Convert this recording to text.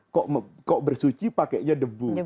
kok bersuci pakai debu